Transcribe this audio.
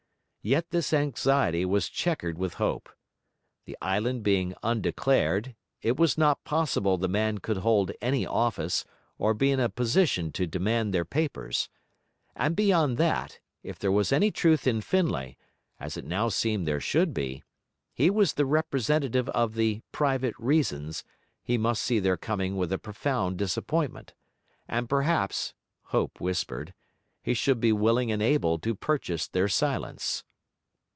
Yet this anxiety was chequered with hope. The island being undeclared, it was not possible the man could hold any office or be in a position to demand their papers. And beyond that, if there was any truth in Findlay, as it now seemed there should be, he was the representative of the 'private reasons,' he must see their coming with a profound disappointment; and perhaps (hope whispered) he would be willing and able to purchase their silence.